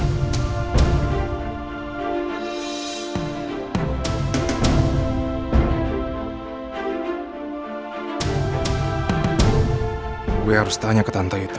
gue harus tanya ke tante itu